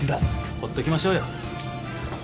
ほっときましょうよ。